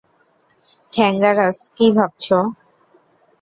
ঠ্যাঙ্গারাজ, কী ভাবছ?